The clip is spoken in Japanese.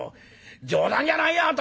冗談じゃないよあなた！